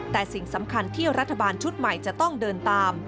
แต่สิ่งสำคัญที่รัฐบาลชุดใหม่จะต้องเดินตาม